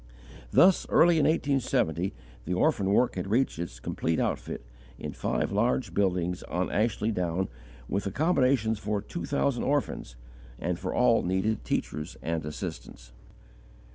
Thus, early in 1870, the orphan work had reached its complete outfit, in five large buildings on Ashley Down with accommodations for two thousand orphans and for all needed teachers and assistants.